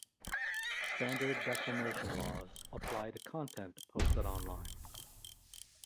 Standard defamation laws apply to content posted online.